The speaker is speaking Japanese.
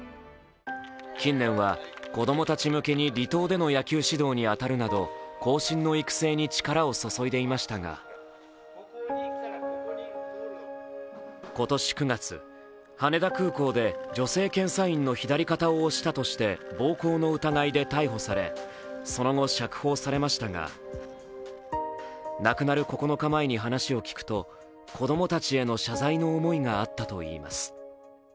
近年は子供たち向けに離島での野球指導に当たるなど後進の育成に力を注いでいましたが今年９月、羽田空港で女性検査員の左肩を押したとして暴行の疑いで逮捕されその後、釈放されましたが亡くなる９日前に話を聞くと子供たちへの謝罪の思いがあったといいます。